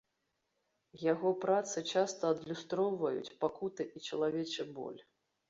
Яго працы часта адлюстроўваюць пакуты і чалавечы боль.